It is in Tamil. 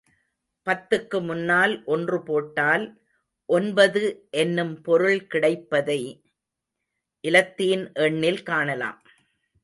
பத்துக்கு முன்னால் ஒன்று போட்டால் ஒன்பது என்னும் பொருள் கிடைப்பதை இலத்தீன் எண்ணில் காணலாம்.